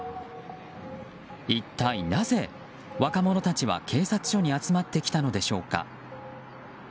一体なぜ、若者たちは警察署に集まってきたのでしょうか。